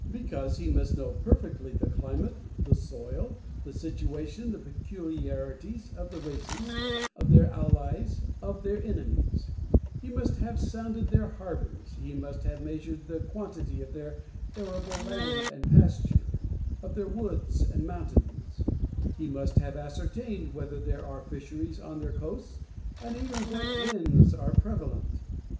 Because he must know perfectly the climate, the soil, the situation, the peculiarities, of the races, of their allies, of their enemies ; he must have sounded tlieir harbours, he must have measured the quantity of their arable land and pasture, of their woods and mountains ; he must have ascertained whether there are fisheries on their coasts, and even what winds are prevalent.